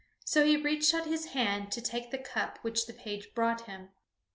So he reached out his hand to take the cup which the page brought to him.